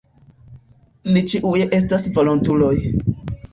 Ni ĉiuj estas volontuloj.